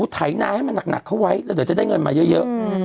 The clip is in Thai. ถ่ายหน้าให้มันหนักเข้าไว้เดี๋ยวจะได้เงินมาเยอะ